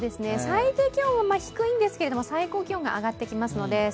最低気温は低いんですけど、最高気温が上がってきますので、。